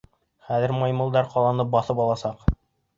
Хәҙер маймылдар ҡаланы баҫып аласаҡ.